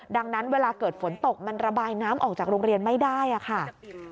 ดังนั้นเวลาเกิดฝนตกมันระบายน้ำออกจากโรงเรียนไม่ได้ค่ะ